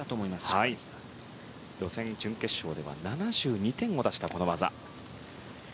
予選、準決勝では７２点を出した技。